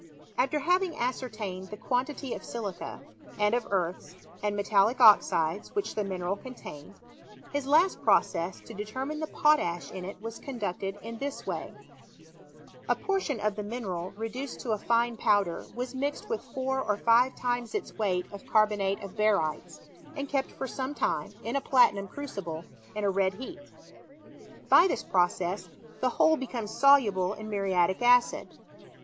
After having ascertained the quantity of silica, and of earths, and metallic oxides, which the mineral con tained, his last process to determine the potash in it was conducted in this way : A portion of the mineral leduced to a fine po\Mer was mixed with four or five times its weight of carbonate of barytes, and kept for some time (in a platinum crucible) in a red heat. By this process, the whole becomes soluble in muriatic acid.